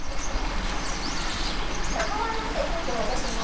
そこは何かちょっと私も。